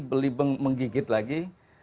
beli menggigit lagi